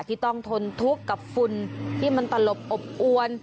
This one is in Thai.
ที่ต้องทนทุกข์กับฝุ่นที่มันตลบอบอวน